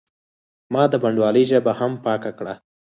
ما د بڼوالۍ ژبه هم پاکه کړه.